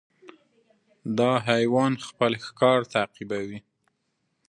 دا حیوان خپل ښکار تعقیبوي.